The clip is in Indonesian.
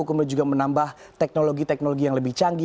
kemudian juga menambah teknologi teknologi yang lebih canggih